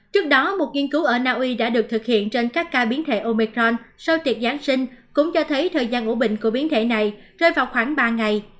trước đó một nghiên cứu ở naui đã được thực hiện trên các ca biến thể omicron sau tiệc giáng sinh cũng cho thấy thời gian ủ bệnh của biến thể này rơi vào khoảng ba ngày